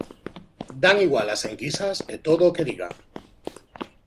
Dan igual as enquisas e todo o que digan.